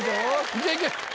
いけいけ！